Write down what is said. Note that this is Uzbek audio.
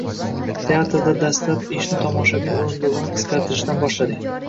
teatrda dastlab ishni tomoshabin o‘rindig‘ini qisqartirishdan boshladik.